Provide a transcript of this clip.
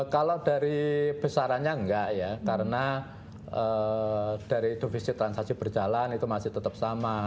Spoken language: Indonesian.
kalau dari besarannya enggak ya karena dari defisit transaksi berjalan itu masih tetap sama